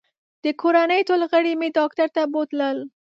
د کورنۍ ټول غړي مې ډاکټر ته بوتلل